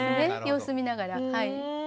様子見ながらはい。